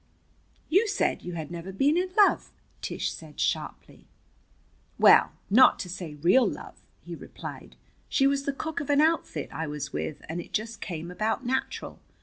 "You said you had never been in love," Tish said sharply. "Well, not to say real love," he replied. "She was the cook of an outfit I was with and it just came about natural.